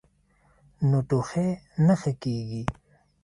نو ټوخی نۀ ښۀ کيږي -